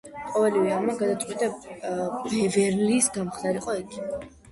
ყოველივე ამან გადააწყვეტინა ბევერლის გამხდარიყო ექიმი.